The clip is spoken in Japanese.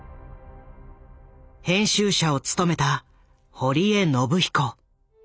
編集者を務めた堀江信彦。